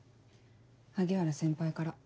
萩原先輩から。